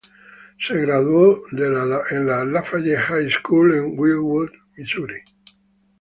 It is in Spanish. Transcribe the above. Se graduó de la Lafayette High School, en Wildwood, Misuri.